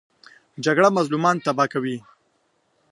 جګړه مظلومان تباه کوي